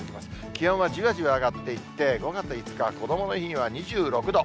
気温はじわじわ上がっていって、５月５日こどもの日には、２６度。